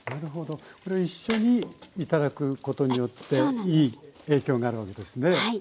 一緒に頂くことによっていい影響があるわけですね。